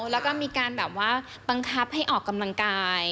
แล้วก็มีการแบบว่าบังคับให้ออกกำลังกาย